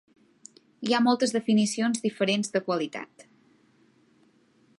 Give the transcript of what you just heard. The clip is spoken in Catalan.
Hi ha moltes definicions diferents de qualitat.